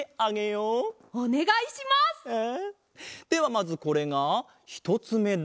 まずこれがひとつめだ。